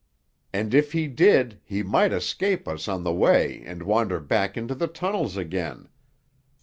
"And if he did, he might escape us on the way and wander back into the tunnels again.